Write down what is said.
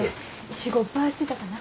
仕事ばしてたかな？